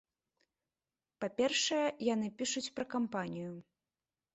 Па-першае, яны пішуць пра кампанію.